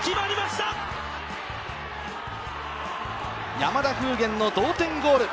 山田楓元の同点ゴール。